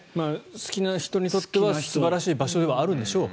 好きな人にとっては素晴らしい場所ではあるんでしょう。